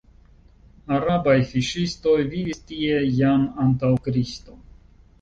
Arabaj fiŝistoj vivis tie jam antaŭ Kristo.